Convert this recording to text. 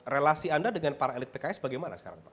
relasi anda dengan para elit pks bagaimana sekarang pak